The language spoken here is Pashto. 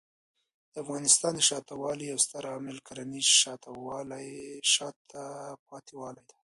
د افغانستان د شاته پاتې والي یو ستر عامل کرنېز شاته پاتې والی دی.